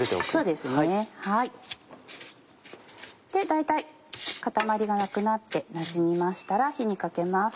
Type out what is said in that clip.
だいたい固まりがなくなってなじみましたら火にかけます。